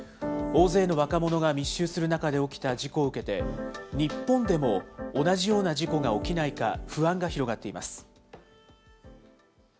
大勢の若者が密集する中で起きた事故を受けて、日本でも同じような事故が起きないか、不安が広がっています。